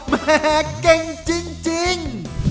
แม่เก่งจริง